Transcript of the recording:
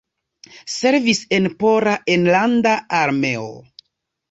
Servis en Pola Enlanda Armeo.